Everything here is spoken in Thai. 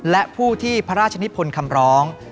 และผู้ที่พระราชนิพลคำร้อง